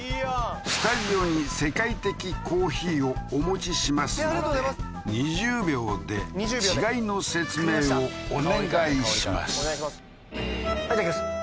スタジオに世界的コーヒーをお持ちしますので２０秒で違いの説明をお願いしますいただきます